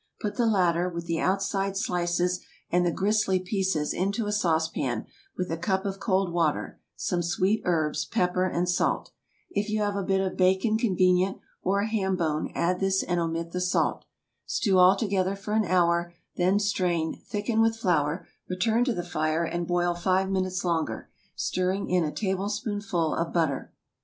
Put the latter, with the outside slices and the gristly pieces, into a saucepan, with a cup of cold water, some sweet herbs, pepper, and salt. If you have a bit of bacon convenient, or a ham bone, add this and omit the salt. Stew all together for an hour, then strain, thicken with flour, return to the fire, and boil five minutes longer, stirring in a tablespoonful of butter.